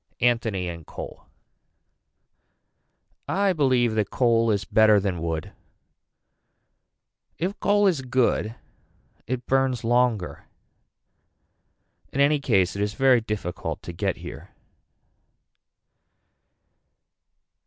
Anthony and coal. I believe that coal is better than wood. If coal is good it burns longer. In any case it is very difficult to get here.